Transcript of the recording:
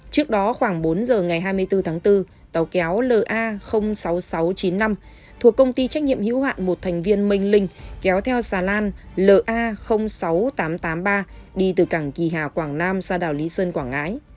trước đó khoảng bốn giờ ngày hai mươi bốn tháng bốn tàu kéo la sáu nghìn sáu trăm chín mươi năm thuộc công ty trách nhiệm hữu hạn một thành viên minh linh kéo theo xà lan la sáu nghìn tám trăm tám mươi ba đi từ cảng kỳ hà quảng nam ra đảo lý sơn quảng ngãi